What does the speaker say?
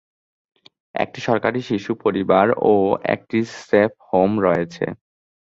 একটি সরকারি শিশু পরিবার ও একটি সেফ হোম রয়েছে।